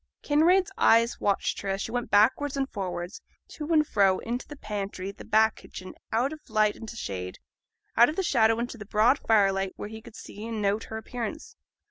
Kinraid's eye watched her as she went backwards and forwards, to and fro, into the pantry, the back kitchen, out of light into shade, out of the shadow into the broad firelight where he could see and note her appearance.